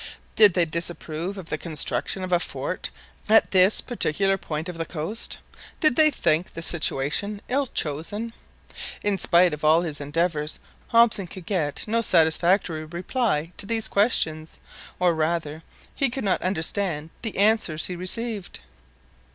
Did they disapprove of the construction of a fort at this particular point of the coast? Did they think the situation ill chosen? In spite of all his endeavours, Hobson could get no satisfactory reply to these questions, or rather he could not understand the answers he received.